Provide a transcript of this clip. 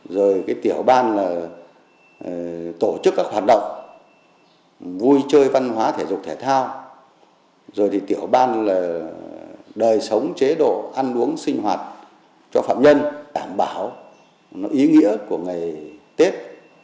rồi cái tiểu ban là tổ chức các hoạt động vui chơi văn hóa thể dục thể thao rồi thì tiểu ban là đời sống chế độ ăn uống sinh hoạt cho phạm nhân đảm bảo ý nghĩa của ngày tết